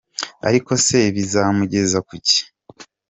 Ariko se bizamugeza ku ki ?